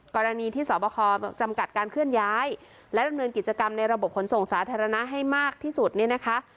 กรณีที่สอบคอจำกัดการเคลื่อนย้ายและดำเนินกิจกรรมในระบบขนส่งสาธารณะให้มากที่สุดเนี่ยนะคะ